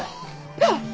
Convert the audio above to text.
あっ！